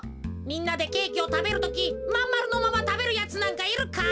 みんなでケーキをたべるときまんまるのままたべるやつなんかいるか？